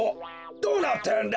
どうなってるんだ？